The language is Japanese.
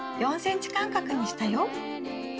４ｃｍ間隔にしたよ。